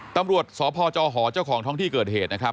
ตำรวจสภจหเจ้าของท้องที่เกิดเหตุ